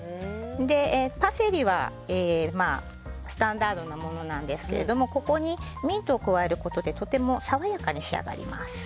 パセリはスタンダードなものなんですがここにミントを加えることでとても爽やかに仕上がります。